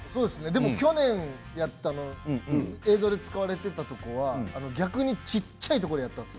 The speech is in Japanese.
去年やった映像で使われていたところは逆に小っちゃいところでやったんです。